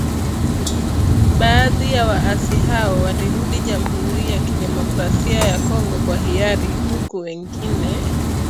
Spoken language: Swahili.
Baadhi ya waasi hao walirudi Jamuhuri ya Kidemokrasia ya Kongo kwa hiari huku wengine